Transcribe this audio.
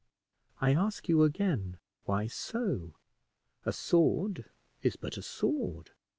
I ask you again, Why so? A sword is but a sword.